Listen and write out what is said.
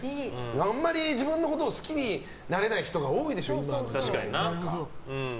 あんまり自分のことを好きになれない人が多いでしょ、今。